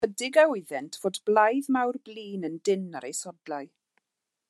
Ychydig a wyddent fod blaidd mawr blin yn dynn ar eu sodlau.